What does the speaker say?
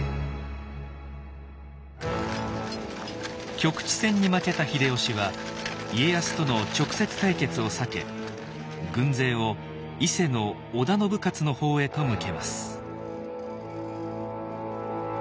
局地戦に負けた秀吉は家康との直接対決を避け軍勢を伊勢の織田信雄の方へと向けます。